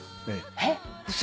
えっ？嘘？